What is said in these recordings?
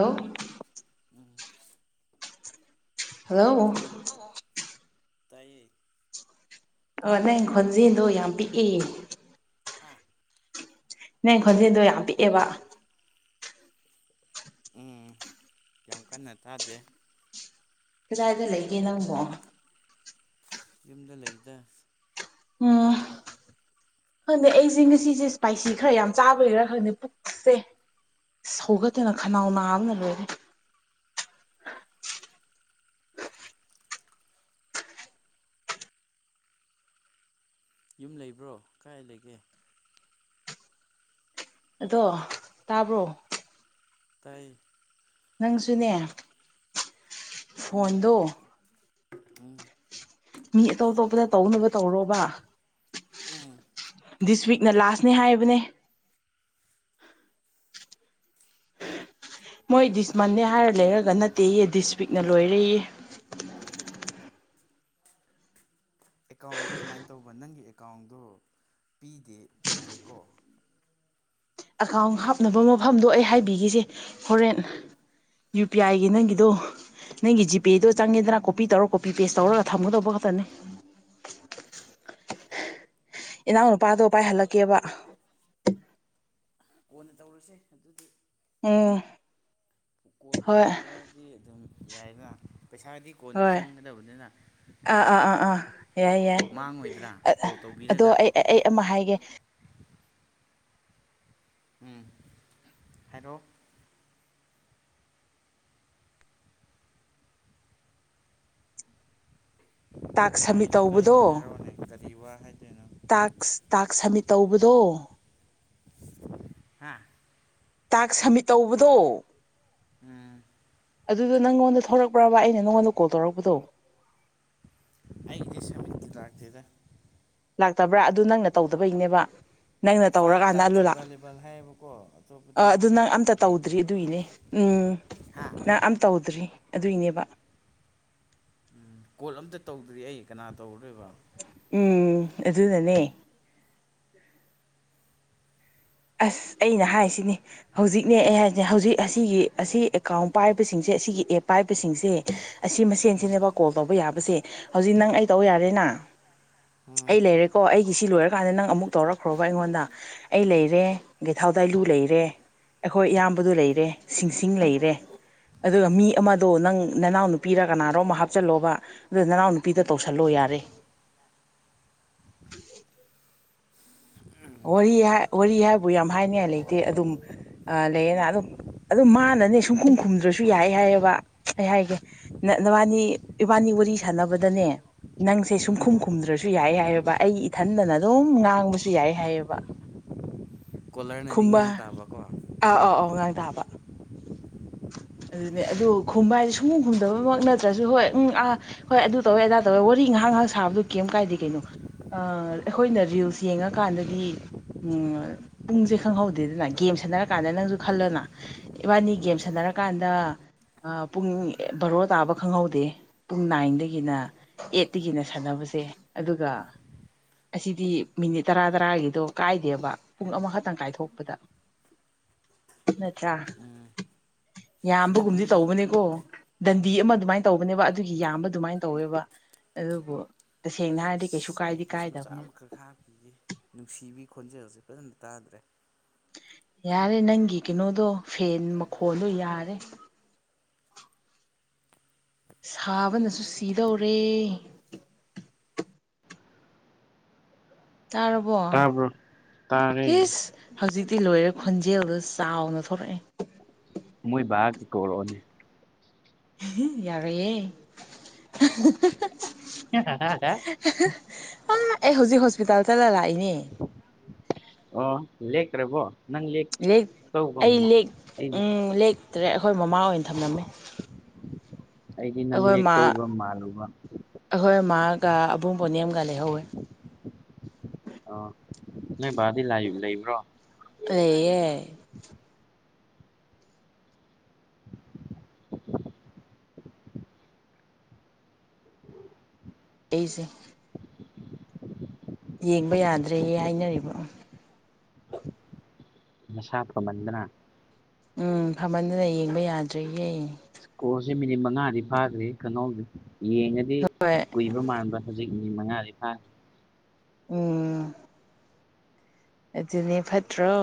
Hello ꯎꯝ hello ꯇꯥꯌꯦ ꯑꯣ ꯅꯪ ꯈꯣꯟꯖꯦꯜꯗꯣ ꯌꯥꯝ ꯄꯤꯛꯏ ꯍꯥꯥ ꯅ ꯈꯣꯟꯖꯦꯜꯗꯣ ꯌꯥꯝ ꯄꯤꯛꯑꯦꯕ ꯎꯝ ꯌꯥꯝ ꯀꯟꯅ ꯇꯥꯗꯦ ꯀꯗꯥꯏꯗ ꯂꯩꯒꯦ ꯅꯪꯕꯣ ꯌꯨꯝꯗ ꯂꯩꯗ ꯎꯝ ꯈꯪꯗꯦ ꯑꯩꯁꯦ ꯉꯁꯤꯁꯦ ꯏꯁꯄꯥꯏꯁꯤ ꯈꯔ ꯌꯥꯝ ꯆꯥꯕꯩ ꯈꯔꯥ ꯈꯪꯗꯦ ꯄꯨꯛꯁꯦ ꯁꯧꯒꯠꯇꯅ ꯈꯅꯥꯎ ꯅꯥꯕꯅ ꯂꯣꯏꯔꯦ ꯌꯨꯝ ꯂꯩꯕ꯭ꯔꯣ ꯀꯥꯏ ꯂꯩꯒꯦ ꯑꯗꯣ ꯇꯥꯕ꯭ꯔꯣ ꯇꯥꯏꯌꯦ ꯅꯪꯁꯨꯅꯦ ꯎꯝ ꯐꯣꯟꯗ ꯎꯝ ꯃꯤ ꯑꯇꯣꯞ ꯑꯇꯣꯞꯄꯗ ꯇꯧꯅꯕ ꯇꯧꯔꯣꯕ ꯎꯝ ꯗꯤꯁ ꯋꯤꯛꯅ ꯂꯥꯁꯅꯦ ꯍꯥꯏꯕꯅꯦ ꯃꯣꯏ ꯗꯤꯁꯃꯟꯅꯦ ꯍꯥꯏꯔ ꯂꯩꯔꯒ ꯅꯠꯇꯦꯌꯦ ꯗꯤꯁꯋꯤꯛꯅ ꯂꯣꯏꯔꯦꯌꯦ ꯑꯦꯀꯥꯎꯟꯗꯤ ꯀꯃꯥꯏꯅ ꯇꯧꯕ ꯅꯪꯒꯤ ꯑꯦꯀꯥꯎꯟꯗꯣ ꯄꯤꯗꯦ ꯄꯤꯗꯦꯀꯣ ꯑꯦꯀꯥꯎꯟ ꯍꯥꯞꯅꯕ ꯃꯐꯝꯗꯣ ꯑꯩ ꯍꯥꯏꯕꯤꯒꯦꯁꯦ ꯍꯣꯔꯦꯟ ꯌꯨ ꯄꯤ ꯑꯥꯏꯒꯤ ꯅꯪꯒꯤꯗꯣ ꯅꯪꯒꯤ ꯖꯤꯄꯦꯗꯣ ꯆꯪꯉꯦꯗꯅ ꯀꯣꯄꯤ ꯇꯧꯔ ꯀꯣꯄꯤ ꯄꯦꯁ ꯇꯧꯔꯒ ꯊꯝꯒꯗꯧꯕ ꯈꯛꯇꯅꯤ ꯏꯅꯥꯎ ꯅꯨꯄꯥꯗꯣꯄꯥꯏ ꯍꯜꯂꯛꯀꯦꯕ ꯀꯣꯟꯅ ꯇꯧꯔꯁꯦ ꯑꯗꯨꯗꯤ ꯑꯣ ꯀꯣꯜꯕꯨ ꯇꯧꯅꯔꯗꯤ ꯑꯗꯨꯝ꯫ ꯌꯥꯏꯗ꯫ ꯄꯩꯁꯥꯗꯤ ꯀꯣꯟꯅ ꯍꯣꯏ ꯆꯪꯒꯗꯕꯅꯤꯅ ꯑꯥ ꯑꯥ ꯑꯥ ꯑꯥ ꯌꯥꯏ ꯌꯥꯏ ꯃꯥꯡꯉꯣꯏꯗ꯭ꯔ ꯀꯣꯜ ꯑꯗꯣ ꯇꯧꯕꯤꯔꯒ꯫ ꯑꯩ ꯑꯩ ꯑꯃ ꯍꯥꯏꯒꯦ ꯎꯝ ꯍꯥꯏꯔꯣ ꯇꯥꯛꯁ ꯁꯝꯃꯤꯠ ꯇꯥꯏꯅꯦ ꯇꯥꯏꯅꯦ ꯇꯧꯕꯗꯣ꯫ ꯍꯥꯏꯔꯛꯑꯣꯅꯦ ꯀꯔꯤ ꯋꯥ ꯍꯥꯏꯗꯣꯏꯅꯣ꯫ ꯇꯥꯛꯁ ꯇꯥꯛꯁ ꯁꯥꯃꯤꯠ ꯇꯧꯕꯗꯣ꯫ ꯍꯥꯥ ꯇꯥꯛꯁ ꯁꯝꯃꯤꯠ ꯇꯧꯕꯗꯣ ꯎꯝ ꯑꯗꯨꯗꯣ ꯅꯪꯉꯣꯟꯗ ꯊꯧꯔꯛꯄ꯭ꯔꯕ ꯑꯩꯅ ꯅꯪꯉꯣꯟꯗ ꯀꯣꯜ ꯇꯧꯔꯛꯄꯗꯣ ꯑꯩꯒꯤꯗꯤ ꯁꯕꯦꯟꯇꯤ ꯂꯥꯛꯇꯦꯗ ꯂꯥꯛꯇꯕ꯭ꯔꯥ ꯑꯗꯨ ꯅꯪꯅ ꯇꯧꯗꯕꯩꯅꯦꯕ ꯅꯪꯅ ꯐꯥꯏꯚ ꯇꯧꯔꯀꯥꯟꯗ ꯑꯂꯨ ꯇꯥꯛꯁ ꯂꯥꯛ ꯑꯦꯕꯥꯏꯂꯦꯕꯜ ꯍꯥꯏꯌꯦꯕꯀꯣ ꯑꯥ ꯑꯇꯣꯞꯄꯗꯤ ꯑꯗꯨ ꯅꯪ ꯑꯝꯇ ꯂꯩꯇꯦ ꯇꯧꯗ꯭ꯔꯤ ꯑꯗꯨꯒꯤꯅꯤ ꯎꯝ ꯍꯥ ꯅꯪ ꯑꯝ ꯇꯧꯗ꯭ꯔꯤ ꯑꯗꯨꯏꯅꯦꯕ ꯎꯝ ꯀꯣꯜ ꯑꯝꯇ ꯇꯧꯗ꯭ꯔꯤ ꯑꯩ ꯀꯅꯥ ꯇꯧꯔꯨꯗꯣꯏꯕ ꯎꯝ ꯑꯗꯨꯅꯅꯦ ꯑꯁ ꯑꯩꯅ ꯍꯥꯏꯁꯤꯅꯤ ꯍꯧꯖꯤꯛꯅꯦ ꯑꯩ ꯍꯥꯏꯁꯤ ꯍꯧꯖꯤꯛ ꯑꯁꯤꯒꯤ ꯑꯁꯤ ꯑꯦꯀꯥꯎꯟ ꯄꯥꯏꯕꯁꯤꯡꯁꯦ ꯑꯁꯤꯒꯤ ꯑꯦꯞ ꯄꯥꯏꯕꯁꯤꯡꯁꯦ ꯑꯁꯤ ꯎꯝ ꯃꯁꯦꯟꯁꯤꯅꯦꯕ ꯀꯣꯜ ꯇꯧꯕ ꯌꯥꯕ ꯁꯦ ꯍꯧꯖꯤꯛ ꯅꯪ ꯑꯩ ꯇꯧ ꯌꯥꯔꯦꯅ ꯎꯝ ꯑꯩ ꯂꯩꯔꯦꯀꯣ ꯑꯩꯒꯤ ꯁꯤ ꯂꯣꯏꯔ ꯀꯥꯟꯗ ꯅꯪ ꯑꯃꯨꯛ ꯇꯧꯔꯛꯈ꯭ꯔꯣꯕ ꯑꯩꯉꯣꯟꯗ ꯑꯩ ꯂꯩ ꯂꯩꯔꯦ ꯒꯦꯊꯥꯎꯗꯥꯏꯂꯨ ꯂꯩꯔꯦ ꯑꯩꯈꯣꯏ ꯏꯌꯥꯝꯕꯗꯨ ꯂꯩꯔꯦ ꯁꯤꯡꯁꯤꯡ ꯂꯩꯔꯦ ꯑꯗꯨꯒ ꯃꯤ ꯑꯃꯗꯣ ꯅꯪ ꯅꯅꯥꯎꯅꯨꯄꯤꯔ ꯀꯅꯥꯔꯣꯝ ꯑꯃ ꯍꯥꯞꯆꯜꯂꯣꯕ ꯑꯗꯨ ꯅꯅꯥꯎꯅꯄꯤꯗ ꯇꯧꯁꯤꯜꯂꯣ ꯌꯥꯔꯦ꯫ ꯋꯥꯔꯤ ꯋꯥꯔꯤ ꯍꯥꯏꯕꯨ ꯌꯥꯝ ꯍꯥꯏꯅꯤꯡꯉꯥꯏ ꯂꯩꯇꯦ ꯑꯗꯨꯝ ꯂꯩꯌꯦꯅ ꯑꯗꯨ ꯑꯗꯨꯝ ꯃꯥꯅꯅꯦ ꯁꯨꯡꯈꯨꯝ ꯈꯨꯝꯗ꯭ꯔꯁꯨ ꯌꯥꯏ ꯍꯥꯏꯑꯕ ꯑꯩ ꯍꯥꯏꯒꯦ ꯅꯕꯥꯅꯤ ꯏꯕꯥꯅꯤ ꯋꯥꯔꯤ ꯁꯥꯟꯅꯕꯗꯅꯦ ꯅꯪꯁꯦ ꯎꯝ ꯁꯨꯡꯈꯨꯝ ꯈꯨꯝꯗ꯭ꯔꯁꯨ ꯌꯥꯏ ꯍꯥꯏꯑꯕ ꯑꯩ ꯏꯊꯟꯗꯅ ꯑꯗꯨꯝ ꯉꯥꯡꯕꯁꯨ ꯌꯥꯏ꯫ ꯍꯥꯏꯕ ꯀꯣꯂꯔꯅꯗꯤ ꯉꯥꯡ ꯇꯥꯕꯀꯣ꯫ ꯑꯥ ꯑꯥ ꯑꯥꯎ ꯉꯥꯡ ꯇꯥꯕ ꯑꯗꯨꯅꯦ ꯑꯗꯨ ꯈꯨꯝꯕ ꯍꯥꯏꯁꯦ ꯁꯨꯡꯃꯨ ꯈꯨꯝꯗꯕꯃꯛ ꯅꯠꯇ꯭ꯔꯁꯨ ꯍꯣꯏ ꯎ ꯑꯥ ꯍꯣꯏ ꯑꯗꯨ ꯇꯧꯋꯦ ꯑꯗꯥ ꯇꯧꯋꯦ ꯋꯥꯔꯤ ꯉꯥꯏꯍꯥꯛ ꯉꯥꯏꯍꯥꯛ ꯁꯥꯕꯗꯣ ꯀꯦꯝ ꯀꯥꯏꯗꯦ ꯀꯩꯅꯣ ꯑꯩꯈꯣꯏꯅ ꯔꯤꯜꯁ ꯌꯦꯡꯉꯀꯥꯟꯗꯗꯤ ꯄꯨꯡꯁꯦ ꯈꯪꯍꯧꯗꯦꯗꯅ ꯒꯦꯝ ꯁꯥꯟꯅꯔ ꯀꯥꯟꯗ ꯅꯪꯁꯨ ꯈꯜꯂꯅ ꯏꯕꯥꯅꯤ ꯒꯦꯝ ꯁꯥꯟꯅꯔꯀꯥꯟꯗ ꯄꯨꯡ ꯕꯥꯔꯣ ꯇꯥꯕ ꯈꯪꯍꯧꯗꯦ ꯄꯨꯡ ꯅꯥꯏꯟꯗꯒꯤꯅ ꯑꯩꯠꯇꯒꯤꯅ ꯁꯥꯟꯅꯕꯁꯦ ꯑꯗꯨꯒ ꯑꯁꯤꯗꯤ ꯃꯤꯅꯤꯠ ꯇꯔꯥ ꯇꯔꯥꯒꯤꯗꯣ ꯀꯥꯏꯗꯦꯕ ꯄꯨꯡ ꯑꯃꯈꯛꯇꯪ ꯀꯥꯏꯊꯣꯛꯄꯗ ꯅꯠꯇ꯭ꯔꯥ ꯎꯝ ꯌꯥꯝꯕꯒꯨꯝꯗꯤ ꯅꯠꯂꯤ ꯇꯧꯕꯅꯦꯀꯣ ꯗꯟꯗꯤ ꯑꯃ ꯑꯗꯨꯃꯥꯏꯅ ꯇꯧꯕꯅꯦꯕ ꯑꯗꯨꯒꯤ ꯌꯥꯝꯕ ꯑꯗꯨꯃꯥꯏꯅ ꯇꯧꯋꯦꯕ ꯑꯗꯨꯕꯨ ꯇꯁꯦꯡꯅ ꯍꯥꯏꯔꯗꯤ ꯀꯩꯁꯨ ꯀꯥꯏꯗꯤ ꯑꯦꯌꯥꯔꯄꯤꯁ ꯃꯆꯥ ꯀꯥꯏꯗꯕꯅꯦꯕ ꯑꯃꯈꯛ ꯍꯥꯞꯄꯒ ꯅꯨꯡꯁꯤꯕꯤ ꯈꯣꯟꯖꯦꯜꯁꯦ꯫ ꯐꯖꯅ ꯇꯥꯗ꯭ꯔꯦ ꯌꯥꯔꯦ ꯅꯪꯒꯤ ꯀꯅꯣꯗꯣ ꯐꯦꯟ ꯃꯈꯣꯜꯂꯣ ꯌꯥꯔꯦ ꯁꯥꯕꯅꯁꯨ ꯁꯤꯗꯧꯔꯦ ꯇꯥꯔꯕꯣ ꯄ ꯇꯥꯕ꯭ꯔꯣ ꯇꯥꯔꯦ ꯍꯧꯖꯤꯛ ꯛꯇꯤ ꯂꯣꯏꯔꯦ ꯈꯣꯟꯖꯦꯜꯗꯨ ꯆꯥꯎꯅ ꯊꯣꯔꯛꯑꯦ ꯃꯣꯏ ꯇꯧꯔꯣꯅꯦ ꯌꯥꯔꯣꯏꯑꯍꯦ [unintelligible] ꯑ ꯑꯦꯍ ꯍꯧꯖꯤꯛ ꯍꯣꯁꯄꯤꯇꯥꯜ ꯇ ꯂ ꯂꯥꯛꯏ ꯑꯣ ꯂꯦꯔꯕꯣ ꯂꯩ ꯑꯩ ꯂꯦ ꯑꯩꯗꯤ ꯎꯝ ꯂ ꯇ꯭ꯔꯦ ꯑꯩꯈꯣꯏ ꯃꯃꯥ ꯑꯣꯏꯅ ꯊꯝꯂꯝꯃꯤ ꯑꯩꯗꯤ ꯅꯪꯂ ꯂꯦꯛ ꯇꯧꯕ ꯃꯥꯜꯂꯨꯕ ꯑꯕꯨꯡ ꯄꯣꯅꯤꯦꯝꯒ ꯂꯩꯍꯧꯋꯦ ꯑꯣ ꯅꯣꯏ ꯕꯥꯗꯤ ꯂꯩꯕ꯭ꯔꯣ ꯑꯦꯌꯦ ꯑꯩꯁꯦ ꯌꯦꯡꯕ ꯌꯥꯗ꯭ꯔꯦ ꯍꯥꯏꯅꯔꯤꯕ ꯃꯁꯥ ꯐꯥꯃꯟꯗꯅ ꯎꯝ ꯐꯃꯟꯗꯅ ꯌꯦꯡꯕ ꯌꯥꯗ꯭ꯔꯤꯌꯦ꯫ ꯀꯣꯜꯁꯦ ꯃꯤꯅꯤꯠ ꯃꯉꯥꯗꯤ ꯐꯥꯈ꯭ꯔꯦ ꯍꯦ ꯈꯪꯍꯧꯗꯦ꯫ ꯌꯦꯡꯉꯗꯤ ꯍꯣꯏ ꯀꯨꯏꯕ ꯃꯥꯟꯕ ꯍꯧꯖꯤꯛ ꯃꯤꯠ ꯃꯉꯥꯗꯤ ꯐꯥꯏ ꯎꯝ ꯑꯗꯨꯅꯦ ꯐꯠꯇ꯭ꯔꯣ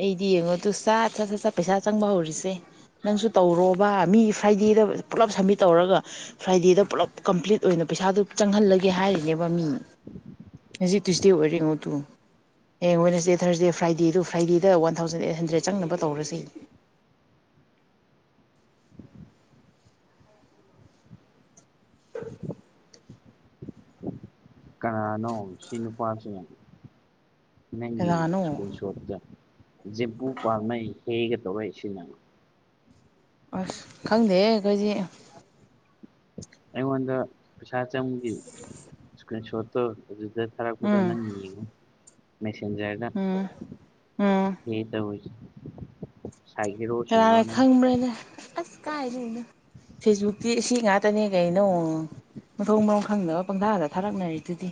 ꯑꯩꯗꯤ ꯌꯦꯡꯉꯣꯗꯨ ꯁꯠ ꯁꯠ ꯁꯠ ꯁꯠ ꯄꯩꯁꯥ ꯆꯪꯕ ꯍꯧꯔꯤꯁꯦ ꯅꯪꯁꯨ ꯇꯧꯔꯣꯕ ꯃꯤ ꯐ꯭ꯔꯥꯏꯗꯦꯗ ꯄꯨꯜꯂꯞ ꯁꯝꯃꯤꯠ ꯇꯧꯔꯒ ꯐ꯭ꯔꯥꯏꯗꯦꯗ ꯄꯨꯜꯂꯞ ꯀꯝꯄ꯭ꯂꯤꯠ ꯑꯣꯏꯅ ꯄꯩꯁꯥꯗꯨ ꯆꯪꯍꯜꯂꯒꯦ ꯍꯥꯏꯔꯤꯅꯦꯕ ꯃꯤ ꯍꯧꯖꯤꯛ ꯇ꯭ꯨꯁꯗꯦ ꯑꯣꯏꯔꯦ ꯌꯦꯡꯉꯣꯗꯨ ꯍꯌꯦꯡ ꯋꯦꯁꯗꯦ ꯊ꯭ꯔꯁꯗꯦ ꯐ꯭ꯔꯥꯏꯗꯦꯗꯨ ꯐ꯭ꯔꯥꯏꯗꯦꯗ ꯋꯥꯟ ꯊꯥꯎꯖꯟ ꯑꯩꯠ ꯍꯟꯗ꯭ꯔꯦꯗ ꯆꯪꯅꯕ ꯇꯧꯔꯁꯦ꯫ ꯀꯅꯥꯅꯣ ꯁꯤ ꯅꯨꯄꯥꯁꯤ꯫ ꯅꯪꯒꯤ ꯀꯅꯥꯅꯣ ꯁꯀꯔ꯭ꯤꯟꯁꯣꯠ ꯇ ꯖꯦꯜꯄꯨ ꯄꯥꯜꯃꯩ [unintelligible] ꯑꯁ ꯈꯪꯗꯦꯍꯦ ꯑꯩꯈꯣꯏꯗꯤ ꯑꯩꯉꯣꯟꯗ ꯄꯩꯁꯥ ꯆꯪꯕꯒꯤ ꯏꯁꯀ꯭ꯔꯤꯟ ꯁꯣꯠ ꯎꯝ ꯑꯗꯨ ꯑꯗꯨ ꯊꯔꯛꯄꯗ ꯎꯝ ꯅꯪ ꯌꯦꯡꯉꯨ꯫ ꯃꯦꯁꯤꯟꯖ꯭ꯔꯗ ꯎꯝ ꯎꯝ ꯄꯦ ꯇꯧꯏ꯫ ꯀꯅꯥꯅ ꯅꯪ ꯈꯪꯕ꯭ꯔꯅ ꯑꯁ ꯀꯥꯏꯗꯒꯤꯅꯣ ꯐꯦꯁꯕꯨꯛꯇꯤ ꯑꯁꯤ ꯉꯥꯛꯇꯅꯦ ꯀꯩꯅꯣ ꯃꯊꯣꯡ ꯃꯔꯣꯡ ꯈꯪꯗꯅꯕ ꯄꯪꯊꯥꯗ ꯊꯥꯔꯛꯅꯔꯤꯗꯨꯗꯤ꯫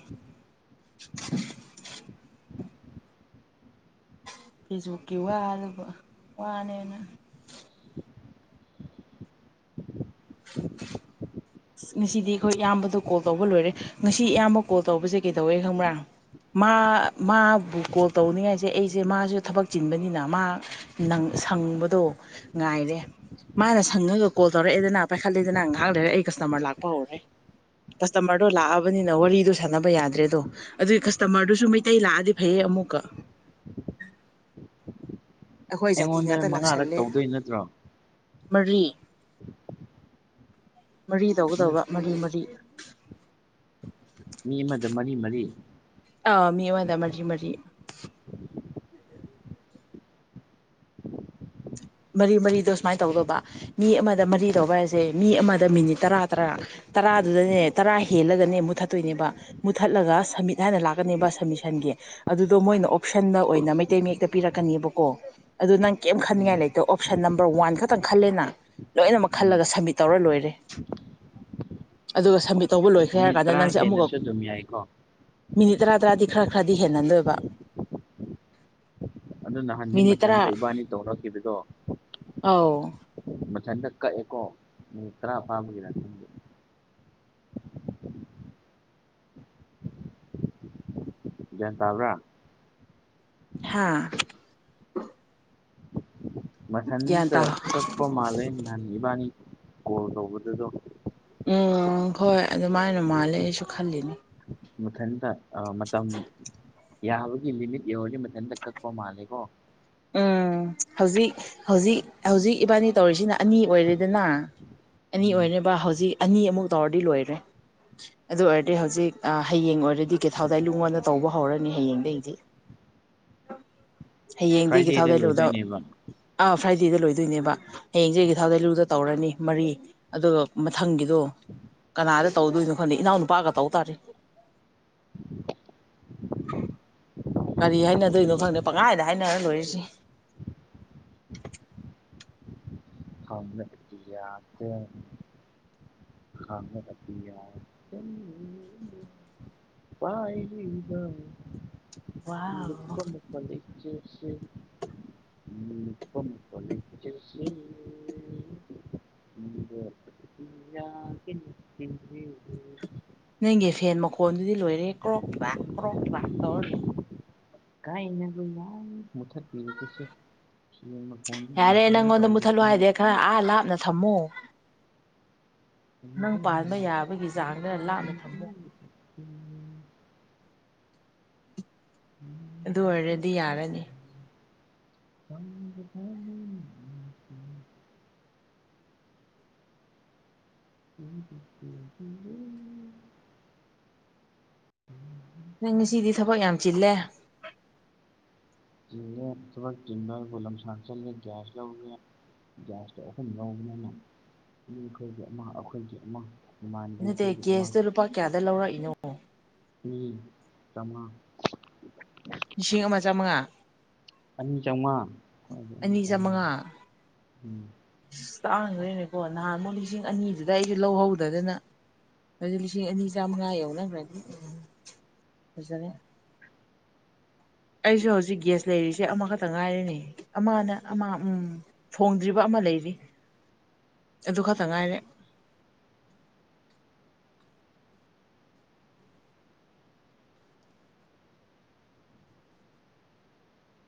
ꯐꯦꯁꯕꯨꯛꯀꯤ ꯋꯥꯗꯕꯨ ꯋꯥꯅꯦꯅ ꯑꯁ ꯉꯁꯤꯗꯤ ꯑꯩꯈꯣꯏ ꯏꯌꯥꯝꯕꯗꯣ ꯀꯣꯜ ꯇꯧꯕ ꯂꯣꯏꯔꯦ ꯉꯁꯤ ꯏꯌꯥꯝꯕ ꯀꯣꯜ ꯇꯧꯕꯁꯦ ꯀꯩꯗꯧꯋꯦ ꯈꯪꯕ꯭ꯔꯥ ꯃꯥ ꯃꯥꯕꯨ ꯀꯣꯜ ꯇꯧꯅꯤꯉꯥꯏꯁꯦ ꯑꯩꯁꯦ ꯃꯥꯁꯨ ꯊꯕꯛ ꯆꯤꯟꯕꯅꯤꯅ ꯃꯥ ꯁꯪꯕꯗꯣ ꯉꯥꯏꯔꯦ ꯃꯥꯅ ꯁꯪꯉꯒ ꯀꯣꯜ ꯇꯧꯔꯛꯑꯦꯗꯅ ꯄꯥꯏꯈꯠꯂꯦꯗꯅ ꯉꯥꯏꯍꯥꯛ ꯂꯩꯔꯦ ꯑꯩ ꯀꯁꯇꯃꯔ ꯂꯥꯛꯄ ꯍꯧꯔꯦ ꯀꯁꯇꯃꯔꯗꯣ ꯂꯥꯛꯑꯕꯅꯤꯅ ꯋꯥꯔꯤꯗꯣ ꯁꯥꯟꯅꯕ ꯌꯥꯗ꯭ꯔꯦꯗꯣ ꯑꯗꯨꯒꯤ ꯀꯁꯇꯃꯔꯗꯨꯁꯨ ꯃꯩꯇꯩ ꯂꯥꯛꯑꯗꯤ ꯐꯩꯌꯦ ꯑꯃꯨꯛꯀ ꯑꯩꯈꯣꯏ ꯖꯥꯇꯤ ꯑꯩꯉꯣꯟꯗ ꯉꯥꯛꯇ ꯃꯉꯥꯔꯛ ꯂꯥꯛꯁꯜꯂꯦ ꯇꯧꯗꯣꯏ ꯅꯠꯇ꯭ꯔꯣ ꯃꯔꯤ ꯃꯔꯤ ꯇꯧꯒꯗꯧꯕ ꯃꯔꯤ ꯃꯔꯤ ꯃꯤ ꯑꯃꯗ ꯃꯔꯤ ꯃꯔꯤ ꯑꯧ ꯃꯤꯃꯗꯥ ꯃꯔꯤ ꯃꯔꯤ ꯃꯔꯤ ꯃꯔꯤꯗꯣ ꯁꯨꯃꯥꯏꯅ ꯇꯧꯗꯧꯕ ꯃꯤ ꯑꯃꯗ ꯃꯔꯤ ꯇꯧꯕ ꯍꯥꯏꯁꯦ ꯃꯤ ꯑꯃꯗ ꯃꯤꯅꯤꯠ ꯇꯔꯥ ꯇꯔꯥ ꯇꯔꯥꯗꯨꯗꯅꯦ ꯇꯔꯥ ꯍꯦꯜꯂꯒꯅꯦ ꯃꯨꯠꯊꯠꯇꯣꯏꯅꯦꯕ ꯃꯨꯠꯊꯠꯂꯒ ꯁꯝꯃꯤꯠ ꯍꯥꯏꯅ ꯂꯥꯛꯀꯅꯦꯕ ꯁꯝꯃꯤꯁꯟꯒꯤ ꯑꯗꯨꯗꯣ ꯃꯣꯏꯅ ꯑꯣꯞꯁꯟꯗ ꯑꯣꯏꯅ ꯃꯩꯇꯩ ꯃꯌꯦꯛꯇ ꯄꯤꯔꯛꯀꯅꯦꯕꯀꯣ ꯑꯗꯨꯣ ꯅꯪ ꯀꯩꯝ ꯎꯝ ꯈꯟꯅꯤꯡꯉꯥꯏ ꯂꯩꯇꯦ ꯑꯗꯣ ꯑꯣꯞꯁꯟ ꯅꯝꯕꯔ ꯋꯥꯟ ꯈꯛꯇꯪ ꯈꯜꯂꯦꯅ ꯂꯣꯏꯅꯃꯛ ꯎꯝ ꯈꯜꯂꯒ ꯁꯝꯃꯤꯠ ꯇꯧꯔ ꯂꯣꯏꯔꯦ ꯑꯗꯨꯒ ꯁꯝꯃꯤꯠ ꯇꯧꯕ ꯂꯣꯏꯈ꯭ꯔꯦ ꯍꯥꯏ ꯇ꯭ꯔꯥ ꯍꯦꯟꯂꯥꯁꯨ ꯑꯗꯨꯝ ꯌꯥꯏꯀꯣ ꯃꯤꯅꯤꯠ ꯇꯔꯥ ꯇꯔꯥꯗꯤ ꯈꯔ ꯈꯔꯗꯤ ꯍꯦꯟꯍꯟꯗꯣꯏꯕ ꯑꯗꯨ ꯅꯍꯥꯟꯗꯤ ꯃꯊꯟꯗ ꯏꯕꯥꯅꯤ ꯇꯧꯔꯛꯈꯤꯕꯗꯣ ꯑꯧ ꯃꯊꯪ ꯍꯟꯗꯛ ꯀꯛꯑꯦꯀꯣ ꯃꯤꯅꯤꯠ ꯇꯔꯥ ꯐꯥꯕꯒꯤꯗ ꯚꯤꯌꯥꯟ ꯇꯕ꯭ꯔꯥ ꯍꯥꯥ ꯃꯊꯟꯇ ꯀꯛꯄꯥ ꯃꯥꯜꯂꯦ ꯅꯥꯍꯟ ꯏꯕꯥꯅꯤ ꯀꯣꯜ ꯇꯧꯕꯗꯨꯗꯣ ꯎꯝ ꯍꯣꯏ ꯑꯗꯨꯃꯥꯏꯅ ꯃꯥꯜꯂꯦ ꯑꯩꯁꯨ ꯈꯜꯂꯤꯅꯦ ꯃꯊꯟꯗꯥ ꯑ ꯃꯇꯝ ꯌꯥꯕꯒꯤ ꯂꯤꯃꯤꯠ ꯌꯧꯔꯗꯤ ꯃꯊꯟꯇ ꯀꯛꯄ ꯃꯥꯜꯂꯦꯀꯣ꯫ ꯎꯝ ꯍꯧꯖꯤꯛ ꯍꯧꯖꯤꯛ ꯍꯧꯖꯤꯛ ꯏꯕꯥꯅꯤ ꯇꯧꯔꯤꯁꯤꯅ ꯑꯅꯤ ꯑꯣꯏꯔꯦꯗꯅ ꯑꯅꯤ ꯎꯝ ꯑꯣꯏꯅꯕ ꯍꯧꯖꯤꯛ ꯑꯅꯤ ꯑꯃꯨꯛ ꯇꯧꯔꯗꯤ ꯂꯣꯏꯔꯦ ꯑꯗꯨ ꯑꯣꯏꯔꯗꯤ ꯍꯧꯖꯤꯛ ꯍꯌꯦꯡ ꯑꯣꯏꯔꯗꯤ ꯀꯩꯊꯥꯎꯗꯥꯏ ꯂꯨꯡꯉꯣꯟꯗ ꯇꯧꯕ ꯍꯧꯔꯅꯤ ꯍꯌꯦꯡꯗꯒꯤꯗꯤ꯫ ꯍꯌꯦꯡꯗꯤꯒꯤ ꯐ꯭ꯔꯥꯏꯗꯦꯗ ꯂꯣꯏꯗꯣꯏꯅꯦꯕ [unintelligible] ꯑꯧ꯫ ꯐ꯭ꯔꯥꯏꯗꯦꯗ ꯂꯣꯏꯗꯣꯏꯅꯦꯕ ꯍꯌꯦꯡꯗꯒꯤ ꯊꯥꯎꯗꯣꯏꯂꯨꯗ ꯇꯧꯔꯅꯤ ꯃꯔꯤ ꯑꯗꯨꯒ ꯃꯊꯪꯒꯤꯗꯣ ꯀꯅꯥꯗ ꯇꯧꯗꯣꯏꯅꯣ ꯈꯣꯗꯦ ꯏꯅꯥꯎꯅꯨꯄꯥꯒ ꯇꯧ ꯇꯥꯔꯦ꯫ ꯀꯔꯤ ꯍꯥꯏꯅꯗꯣꯏꯅꯣ ꯈꯪꯗꯦ ꯄꯪꯈꯥꯏꯗ ꯍꯥꯏꯅꯔ ꯂꯣꯏꯔꯤꯁꯤ꯫ ꯌꯥꯗ [unintelligible] ꯄꯥꯏꯔꯤꯕ ꯋꯥꯎ ꯁꯦ ꯁꯦ ꯅꯪꯒꯤ ꯐꯦꯟ ꯃꯈꯣꯟꯗꯨꯗꯤ ꯂꯣꯏꯔꯦ ꯀ꯭ꯔꯣꯛꯄ꯭ꯔꯥ ꯀ꯭ꯔꯣꯛꯄ꯭ꯔꯥ ꯇꯧꯔ ꯂꯣꯏ ꯀ ꯏꯟꯅ ꯀ [unintelligible] ꯃꯨꯊꯠꯄꯤꯔꯤꯕꯁꯦ ꯁꯤ ꯃꯈꯣꯟꯗ ꯌꯥꯔꯦ ꯀꯝꯄ꯭ꯂꯦꯟ ꯅꯪꯉꯣꯟꯗ ꯃꯨꯠꯊꯠꯂꯣ ꯇꯧꯔꯤꯕꯁꯤꯅꯤ ꯍꯥꯏꯗꯦ ꯈꯔ ꯑꯥ ꯂꯥꯞꯅ ꯊꯝꯃꯣ ꯅꯪ ꯄꯥꯟꯕ ꯌꯥꯕꯒꯤ ꯆꯥꯡꯗ ꯆ ꯂꯥꯞꯅ ꯊꯝꯃꯣ [unintelligible] ꯑꯗꯨ ꯑꯣꯏꯔꯗꯤ ꯌꯥꯔꯅꯤ꯫ ꯎ [unintelligible] [inaudible] ꯅꯪ ꯉꯁꯤꯗꯤ ꯊꯕꯛ ꯌꯥꯝ ꯆꯤꯜꯂꯦ꯫ ꯆꯤꯜꯂꯦ ꯊꯕꯛ ꯆꯤꯟꯕ ꯍꯥꯏꯕꯨ ꯂꯝꯁꯥꯡ ꯆꯜꯂꯦ ꯒ꯭ꯌꯥꯁ ꯂꯧꯔꯦ ꯒ꯭ꯌꯥꯁꯇꯣ ꯑꯍꯨꯝ ꯂꯧꯕꯅꯤꯅꯈꯣꯏꯒꯤ ꯑꯃ ꯑꯩꯈꯣꯏꯒꯤ ꯑꯃ ꯏꯃꯥꯟꯅꯕꯤ ꯅꯠꯇꯦ ꯑꯩꯈꯣꯏꯒꯤ ꯑꯃ ꯒꯦꯁꯇꯨ ꯂꯨꯄꯥ ꯀꯌꯥꯗ ꯂꯧꯔꯛꯏꯅꯣ꯫ ꯑꯥ [unintelligible] ꯃꯔꯤ ꯆꯃꯥ ꯂꯤꯁꯤꯡ ꯑꯃ ꯆꯃꯉꯥ ꯑꯅꯤ ꯆꯥꯝꯃꯉꯥ ꯈ꯭ꯋꯥꯏꯗꯒꯤ ꯑꯅꯤ ꯆꯃꯉꯥ ꯆꯥꯝꯃꯉꯥ ꯎꯝ ꯑꯁ ꯇꯥꯡꯗꯣꯏꯅꯦꯀꯣ ꯅꯍꯥꯟꯃꯨꯛ ꯂꯤꯁꯤꯡ ꯑꯅꯤꯗꯨꯗ ꯑꯩꯗꯤ ꯂꯧꯍꯧꯗꯗꯅ ꯑꯗꯨꯗꯤ ꯂꯤꯁꯤꯡ ꯑꯅꯤ ꯆꯥꯝꯃꯉꯥ ꯌꯧꯅꯈ꯭ꯔꯗꯤ ꯎꯝ ꯐꯖꯔꯦ꯫ ꯑꯩꯁꯨ ꯍꯧꯖꯤꯛ ꯒ꯭ꯌꯥꯁ ꯂꯩꯔꯤꯁꯦ ꯑꯃꯈꯛꯇ ꯉꯥꯏꯔꯤꯅꯦ ꯑꯃꯅ ꯑꯃ ꯐꯣꯡꯗ꯭ꯔꯤꯕ ꯑꯃ ꯂꯩꯔꯤ ꯑꯗꯨ ꯈꯛꯇ ꯉꯥꯏꯔꯦ꯫